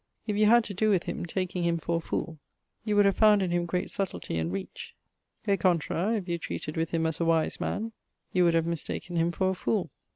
If you had to doe with him, taking him for a foole, you would have found in him great subtilty and reach: è contra, if you treated with him as a wise man, you would have mistaken him for a foole.